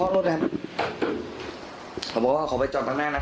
แล้วเขาที่ทุบแก่ขนาดนั้น